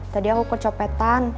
tadi aku kecopetan